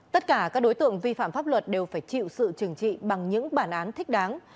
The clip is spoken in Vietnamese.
tất cả các đối tượng vi phạm pháp luật đều phải chịu sự trừng trị bằng những bản án thích đáng